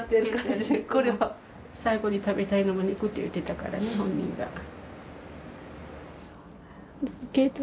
最後に食べたいのお肉って言ってたからね本人が。